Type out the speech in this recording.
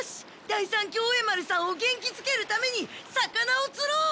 第三協栄丸さんを元気づけるために魚をつろう！